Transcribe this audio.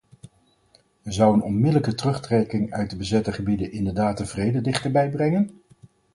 Zou een onmiddellijke terugtrekking uit de bezette gebieden inderdaad de vrede dichterbij brengen?